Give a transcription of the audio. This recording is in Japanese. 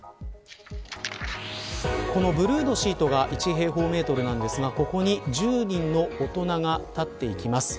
ブルーのシートが１平方メートルですがここに１０人の大人が立っていきます。